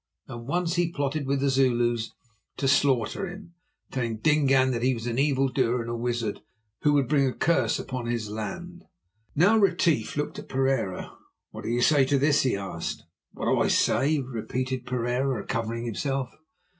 And once he plotted with the Zulus to slaughter him, telling Dingaan that he was an evildoer and a wizard, who would bring a curse upon his land." Now Retief looked at Pereira. "What do you say to this?" he asked. "What do I say?" repeated Pereira, recovering himself.